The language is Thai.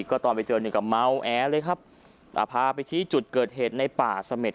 ก็ตอนไปเจอหนึ่งกับเมาท์แอ๊ะเลยครับแต่พาไปที่จุดเกิดเหตุในป่าสะเม็ด